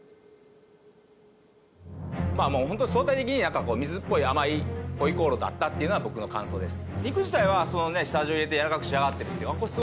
ホントに相対的に水っぽい甘い回鍋肉だったっていうのが僕の感想です。